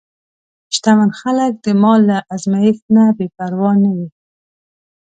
شتمن خلک د مال له ازمېښت نه بېپروا نه وي.